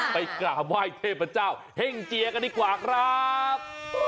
ไปกราบไหว้เทพเจ้าเฮ่งเจียกันดีกว่าครับ